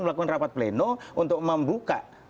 melakukan rapat pleno untuk membuka